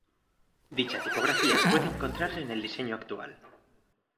Dicha tipografía puede encontrarse en el diseño actual.